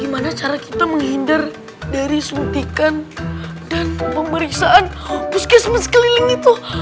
gimana cara kita menghindar dari suntikan dan pemeriksaan puskesmas keliling itu